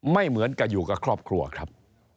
ไม่เหมือนกับอยู่กับครอบครัวครับ